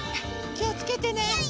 きをつけてね！